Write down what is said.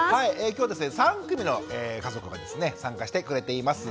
きょうはですね３組の家族が参加してくれています。